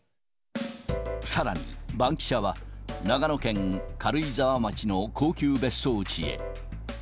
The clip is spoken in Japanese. さらに、バンキシャは長野県軽井沢町の高級別荘地へ。